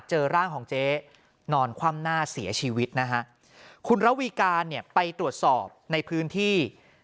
เจอร่างของเจ๊นอนคว่ำหน้าเสียชีวิตนะฮะคุณระวีการเนี่ยไปตรวจสอบในพื้นที่